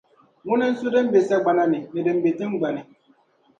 Ŋuna n-su din be sagbana ni, ni din be tiŋgbani.